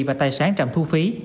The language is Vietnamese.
và tài sản trạm thu phí